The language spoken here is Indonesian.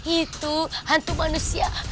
itu hantu manusia